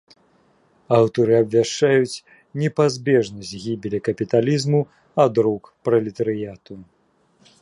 Аўтары абвяшчаюць непазбежнасць гібелі капіталізму ад рук пралетарыяту.